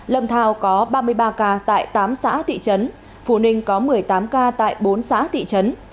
lâm thào có ba mươi ba ca tại tám xã tị trấn phù ninh có một mươi tám ca tại bốn xã tị trấn